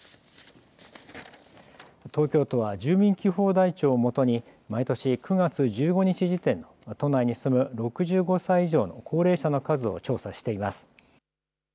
東京都は住民基本台帳をもとに毎年９月１５日時点の都内に住む６５歳以上の高齢者の数を調査しています。